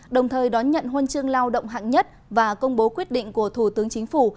đồng thời đón nhận huân chương lao động hạng nhất và công bố quyết định của thủ tướng chính phủ